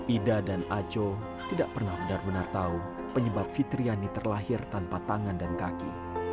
ida dan aco tidak pernah benar benar tahu penyebab fitriani terlahir tanpa tangan dan kaki